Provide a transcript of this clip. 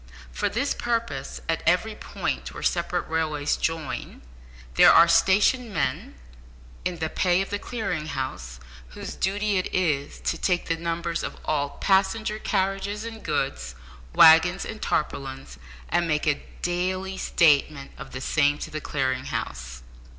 For this purpose, at every point where separate railways join, there are stationed men in the pay of the Clearing House, whose duty it is to take the numbers of all passenger carriages and goods, waggons and tarpaulins, and make a daily statement of the same to the Clearing House.